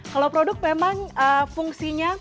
kalau produk memang fungsinya